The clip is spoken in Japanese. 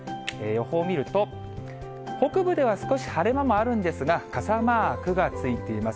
予報を見ると、北部では少し晴れ間もあるんですが、傘マークがついています。